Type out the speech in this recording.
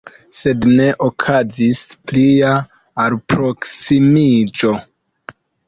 Sed ne okazis plia alproksimiĝo.